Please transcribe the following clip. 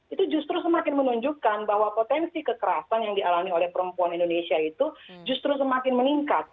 itu justru semakin menunjukkan bahwa potensi kekerasan yang dialami oleh perempuan indonesia itu justru semakin meningkat